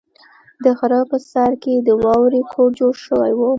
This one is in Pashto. د غره په سر کې د واورې کور جوړ شوی و.